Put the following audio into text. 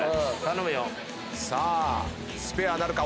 さあスペアなるか？